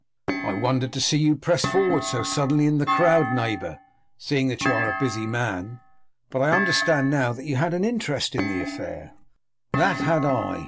"I wondered to see you press forward so suddenly into the crowd, neighbour, seeing that you are a busy man, but I understand now that you had an interest in the affair." "That had I.